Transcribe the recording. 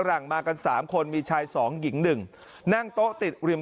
หลังมากันสามคนมีชายสองหญิงหนึ่งนั่งโต๊ะติดริม